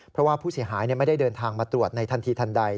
เพราะว่าผู้เสียหายไม่ได้เดินทางมาตรวจในทันทีทันใด